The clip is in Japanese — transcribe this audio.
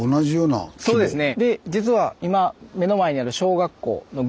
ああそうですね。